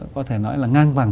có thể nói là ngang vẳng